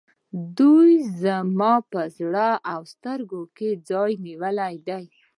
دوی زما په زړه او سترګو کې ځای نیولی دی.